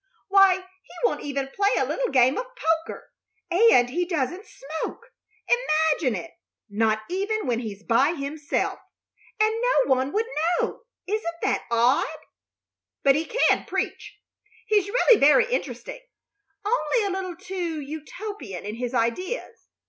Why, he won't even play a little game of poker! And he doesn't smoke! Imagine it not even when he's by himself, and no one would know! Isn't that odd? But he can preach. He's really very interesting; only a little too Utopian in his ideas.